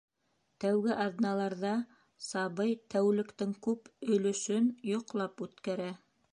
Тәүге аҙналарҙа сабый тәүлектең күп өлөшөн йоҡлап үткәрә.